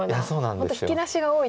本当引き出しが多いタイプと。